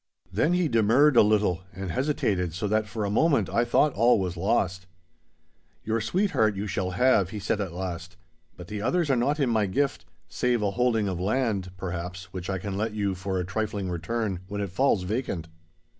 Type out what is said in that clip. Then he demurred a little, and hesitated, so that for a moment I thought all was lost. 'Your sweetheart you shall have,' he said at last, 'but the others are not in my gift—save a holding of land, perhaps, which I can let you for a trifling return when it falls vacant.